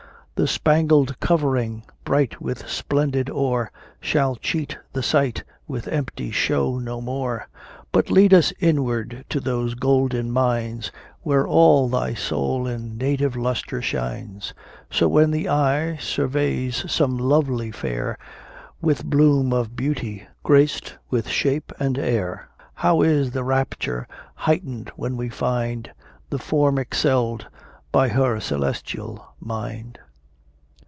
The spangled cov'ring, bright with splendid ore, Shall cheat the sight with empty show no more; But lead us inward to those golden mines, Where all thy soul in native lustre shines. So when the eye surveys some lovely fair, With bloom of beauty, graced with shape and air, How is the rapture heightened when we find The form excelled by her celestial mind!